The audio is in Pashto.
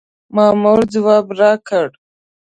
مامور ځواب راکړ.